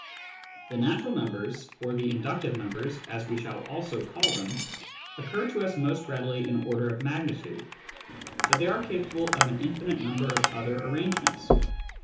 The natural numbers — or the " inductive " numbers, as we shall also call them — occur to us most readily in order of magnitude ; but they are capable of an infinite number of other arrangements.